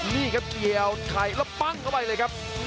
นี่ก็เกียวใครและปั๊งเข้าไปเลย